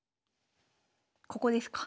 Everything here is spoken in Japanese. ここですか。